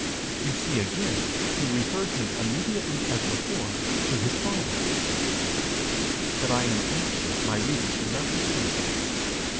You see again he refers him immediately as before to his Father. But I am anxious my reader should not mistake.